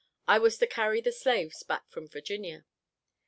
I was to carry the slaves back from Virginia.